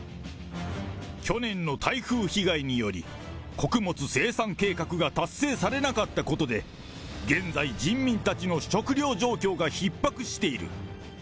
去年の台風被害により、穀物生産計画が達成されなかったことで、現在、人民たちの食料状況がひっ迫している。